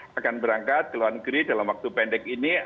akan berangkat ke luar negeri dalam waktu pendek ini